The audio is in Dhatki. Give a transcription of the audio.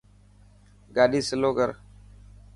گاڏي سلو ڪر.